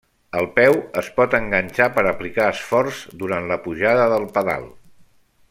El peu es pot enganxar per aplicar esforç durant la pujada del pedal.